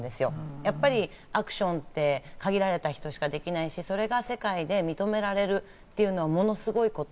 やっぱりアクションって限られた人しかできないし、それが世界で認められるというのはものすごいこと。